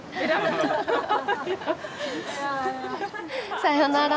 さようなら。